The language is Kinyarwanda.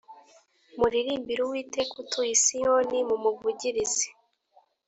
Muririmbire Uwiteka Utuye I Siyoni Mumuvugirize